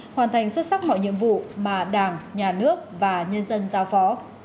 hoàn thành xuất sắc mọi nhiệm vụ mà đảng nhà nước và nhân dân giao phó